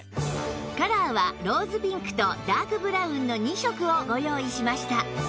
カラーはローズピンクとダークブラウンの２色をご用意しました